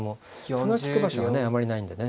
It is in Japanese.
歩が利く場所がねあまりないんでね。